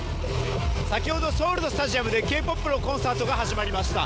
先ほどソウルのスタジアムでＫ−ＰＯＰのコンサートが始まりました。